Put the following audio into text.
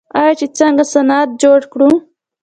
آیا چې څنګه صنعت جوړ کړو؟